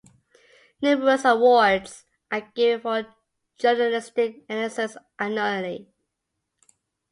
Numerous awards are given for journalistic excellence annually.